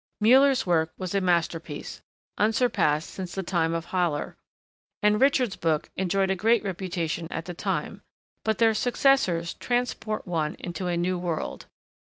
Müller's work was a masterpiece, unsurpassed since the time of Haller, and Richard's book enjoyed a great reputation at the time; but their successors transport one into a new world.